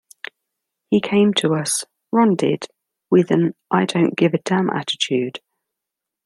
He came to us, Ron did, with an I-don't-give-a-damn attitude.